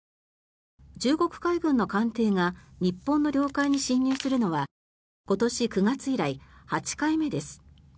中国海軍の艦艇が日本の領海に侵入するのは今年９月以来８回目です。